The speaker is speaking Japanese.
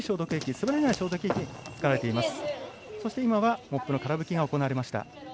そして、今はモップのから拭きが行われました。